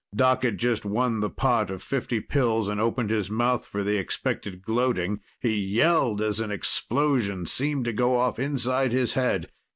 Doc had just won the pot of fifty pills and opened his mouth for the expected gloating. He yelled as an explosion seemed to go off inside his head.